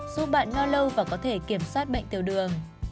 giúp bạn ngon lâu và có thể kiểm soát bệnh tiêu đường